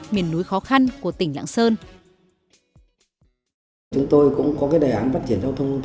miền núi khó khăn của tỉnh lạng sơn